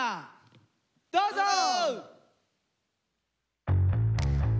どうぞ！